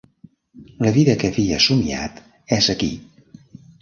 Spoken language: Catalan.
La vida que havia somniat és aquí.